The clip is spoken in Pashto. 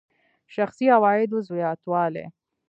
شخصي عوایدو زیاتوالی.